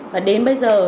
và đến bây giờ